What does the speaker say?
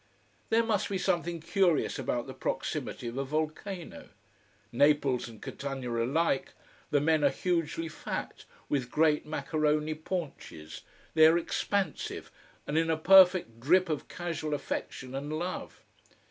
There must be something curious about the proximity of a volcano. Naples and Catania alike, the men are hugely fat, with great macaroni paunches, they are expansive and in a perfect drip of casual affection and love.